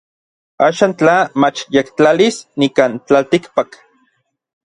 Axan tla machyektlalis nikan tlaltikpak.